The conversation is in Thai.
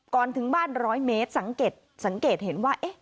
ก่อนถึงบ้านร้อยเมตรสังเกตสังเกตเห็นว่า